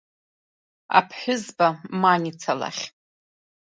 Аԥҳәызба Маница лахь.